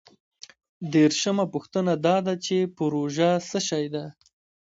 دیرشمه پوښتنه دا ده چې پروژه څه شی ده؟